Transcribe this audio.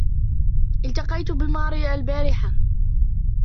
التقيت بماري البارحة.